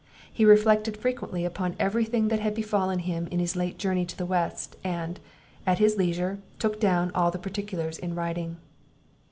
He reflected frequently upon every thing that had befallen him in his late journey to the west; and, at his leisure, took down all the particulars in writing.